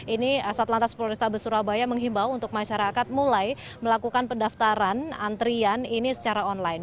ini sat lantas polresa besurabaya menghimbau untuk masyarakat mulai melakukan pendaftaran antrian ini secara online